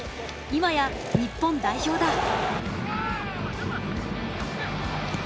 今や日本代表だ。